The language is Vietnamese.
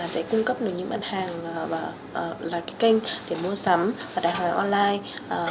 sẽ cung cấp được những mặt hàng loạt kênh để mua sắm và đặt hàng online